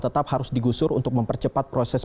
tetap harus digusur untuk mempercepat proses